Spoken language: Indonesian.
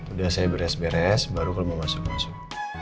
udah saya beres beres baru kalau mau masuk masuk